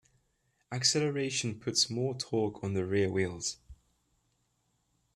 Acceleration puts more torque on the rear wheels.